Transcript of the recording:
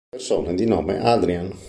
Persone di nome Adrián